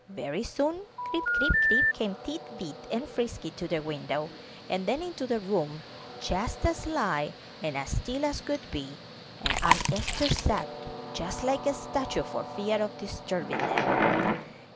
Very soon, creep, creep, creep, came Tit bit and Frisky to the window, and then into the room, just as sly and as still as could be, and Aunt Esther sat just like a statue for fear of disturbing them.